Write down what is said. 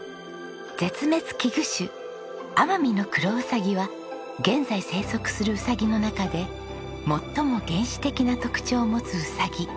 絶滅危惧種アマミノクロウサギは現在生息するウサギの中で最も原始的な特徴を持つウサギ。